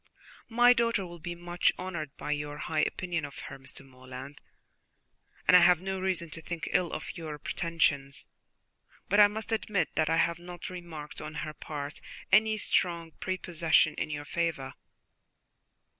"My daughter will be much honoured by your high opinion of her, Mr. Morland, and I have no reason to think ill of your pretensions; but I must admit that I have not remarked on her part any strong prepossession in your favour."